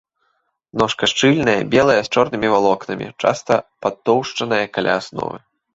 Ножка шчыльная, белая з чорнымі валокнамі, часта патоўшчаная каля асновы.